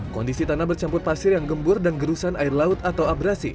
kondisi tanah bercampur pasir yang gembur dan gerusan air laut atau abrasi